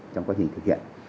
trong quá trình thực hiện